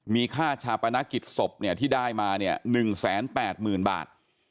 มีค่าชาปนกิจศพเนี่ยที่ได้มาเนี่ยหนึ่งแสนแปดหมื่นบาท